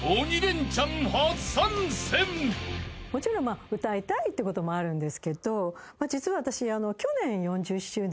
もちろん歌いたいってこともあるんですけど実は私。